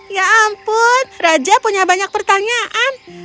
ya ampun raja punya banyak pertanyaan